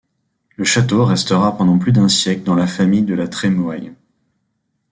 Le château restera pendant plus d’un siècle dans la famille de La Trémoïlle.